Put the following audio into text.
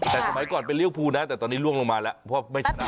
แต่สมัยก่อนเป็นเลี้ยวภูนะแต่ตอนนี้ล่วงลงมาแล้วเพราะไม่ชนะ